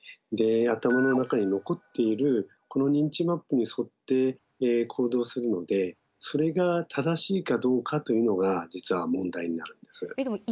で頭の中に残っているこの認知マップに沿って行動するのでそれが正しいかどうかというのが実は問題になるんです。